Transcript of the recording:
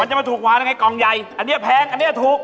มันจะทุกผากหรือไงกลางใยอันนี้แพงอันนี้จะทุก